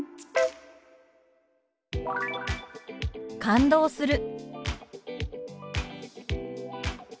「感動する」。